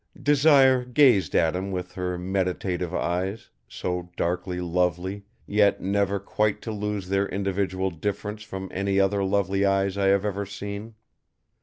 Desire gazed at him with her meditative eyes, so darkly lovely, yet never quite to lose their individual difference from any other lovely eyes I have ever seen.